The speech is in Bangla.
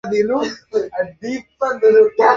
হে, সত্যি বলতে আমার অজুহাত দেয়ার কোনো পরিকল্পনা ছিলোও না।